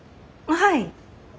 はい。